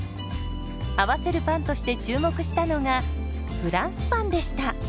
合わせるパンとして注目したのがフランスパンでした。